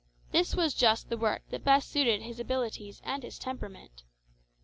This was just the work that best suited his abilities and his temperament.